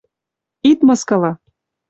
— Ит мыскылы!